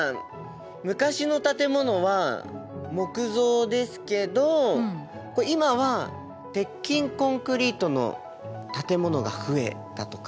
昔の建物は木造ですけど今は鉄筋コンクリートの建物が増えたとか？